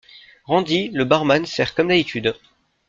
Randy, le barman, sert comme d'habitude.